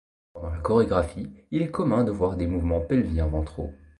Pendant la chorégraphie il est commun de voir des mouvements pelvien-ventraux.